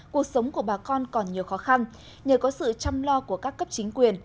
cuộc sống của bà con còn nhiều khó khăn nhờ có sự chăm lo của các cấp chính quyền